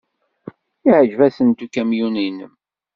Yeɛjeb-asent ukamyun-nnem.